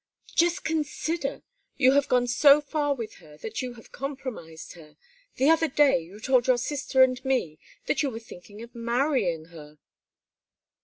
"Just consider! You have gone so far with her that you have compromised her. The other day you told your sister and me that you were thinking of marrying her."